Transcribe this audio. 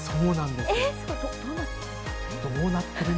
どうなってるの？